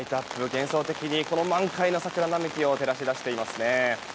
幻想的にこの満開の桜並木を照らし出していますね。